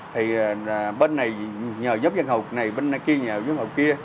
thì bên này nhờ nhóm văn hầu này bên kia nhờ nhóm văn hầu kia